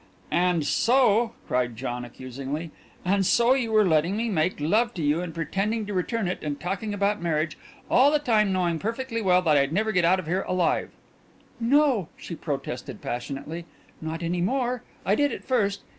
"And so," cried John accusingly, "and so you were letting me make love to you and pretending to return it, and talking about marriage, all the time knowing perfectly well that I'd never get out of here alive " "No," she protested passionately. "Not any more. I did at first.